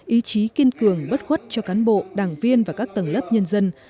ý chí kiên cường bất khuất cho cán bộ đảng viên và các tầng lớp nhân dân